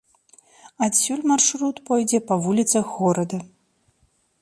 Адсюль маршрут пойдзе па вуліцах горада.